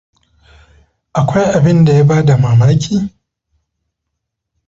Akwai abinda ya bada mamaki?